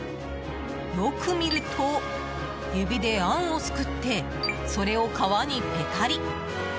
よく見ると指であんをすくってそれを、皮にペタリ。